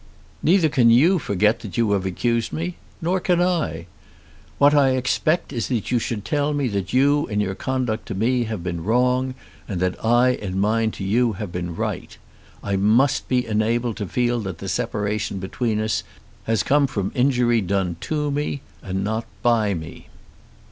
Neither can you forget that you have accused me, nor can I. What I expect is that you should tell me that you in your conduct to me have been wrong and that I in mine to you have been right. I must be enabled to feel that the separation between us has come from injury done to me, and not by me.